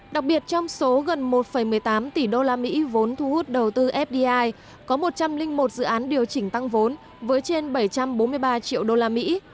đặc biệt trong số gần một một mươi tám tỷ đô la mỹ vốn thu hút đầu tư fdi có một trăm linh một dự án điều chỉnh tăng vốn với trên bảy trăm bốn mươi ba triệu đô la mỹ